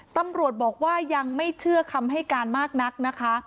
ตำรวจบอกว่ายังไม่เชื่อคำให้การมากนักนะคะ